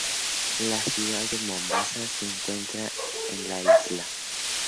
La ciudad de Mombasa se encuentra en la isla.